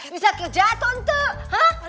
bisa kerja tontu hah